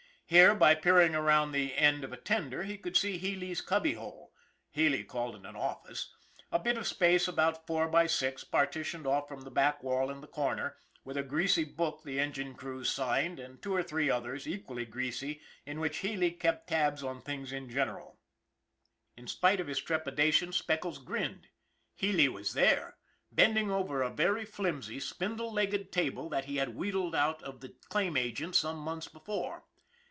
Here, by peer ing around the end of a tender, he could see Healy's cubby hole Healy called it an office a bit of space about four by six partitioned off from the back wall in the corner, with a greasy book the engine crews signed, and two or three others, equally greasy, in which Healy kept tabs on things in general. In spite of his trepidation, Speckles grinned. Healy was there, bending over a very flimsy, spindle legged table that he had wheedled out of the claim agent some months before.